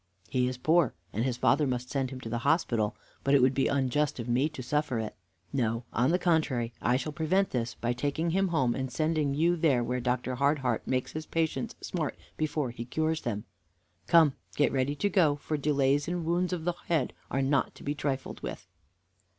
He is poor, and his father must send him to the hospital, but it would be unjust of me to suffer it. No, on the contrary, I shall prevent this by taking him home and sending you there, where Dr. Hardheart makes his patients smart before he cures them. Come, get ready to go, for delays in wounds of the head are not to be trifled with."